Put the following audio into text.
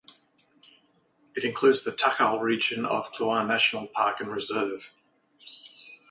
It includes the Tachal Region of Kluane National Park and Reserve.